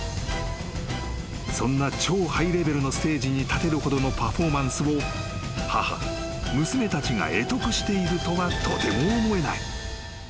［そんな超ハイレベルのステージに立てるほどのパフォーマンスを母娘たちが会得しているとはとても思えない］